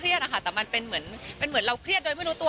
เครียดนะคะแต่มันเป็นเหมือนเราเครียดโดยไม่รู้ตัว